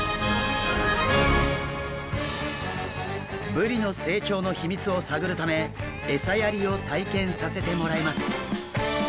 ブリの成長の秘密を探るため餌やりを体験させてもらいます。